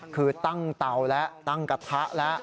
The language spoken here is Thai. คือตั้งเตาแล้วตั้งกระทะแล้ว